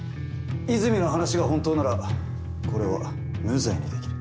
泉の話が本当ならこれは無罪にできる。